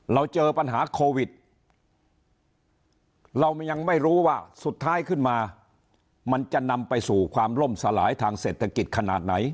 เราเจอปัญหาโควิดเรายังไม่รู้ว่าสุดท้ายขึ้นมามันจะนำไปสู่ความล่มสลายทางเศรษฐกิจขนาดไหน